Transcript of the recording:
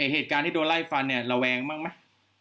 เหตุการณ์ที่โดนไล่ฟันเนี่ยระแวงบ้างไหม